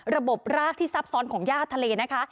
ระบบรากที่ซับซ้อนของย่าทะเลนะคะ